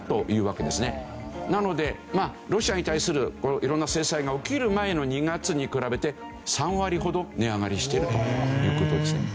なのでロシアに対する色んな制裁が起きる前の２月に比べて３割ほど値上がりしてるという事ですね。